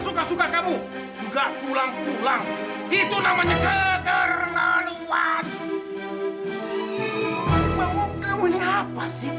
selamat pak sampi